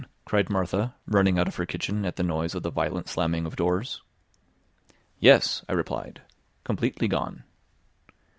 cried Martha, running out of her kitchen at the noise of the violent slamming of doors. "Yes," I replied, "completely gone."